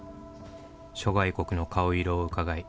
「諸外国の顔色をうかがい」